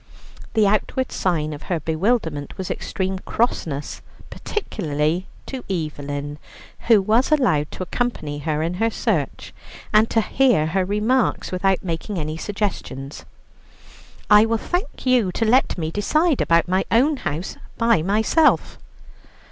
The outward sign of her bewilderment was extreme crossness, particularly to Evelyn, who was allowed to accompany her in her search, and to hear her remarks without making any suggestions. "I will thank you to let me decide about my own house by myself."